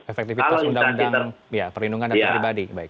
efektivitas undang undang perlindungan data pribadi